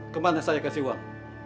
kemana saya kasih uang